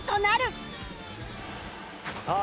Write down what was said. さあ